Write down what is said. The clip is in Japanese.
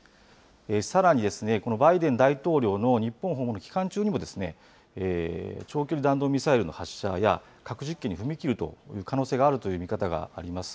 さらに、このバイデン大統領の日本訪問の期間中にも、長距離弾道ミサイルの発射や、核実験に踏み切る可能性があるという見方があります。